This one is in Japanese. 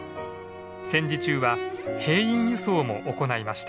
戦時中は兵員輸送も行いました。